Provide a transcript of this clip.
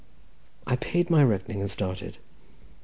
I paid my reckoning and started.